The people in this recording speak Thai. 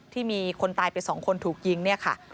มีคนตายไป๒คนถูกยิงเนี่ยค่ะ